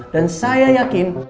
dan saya yakin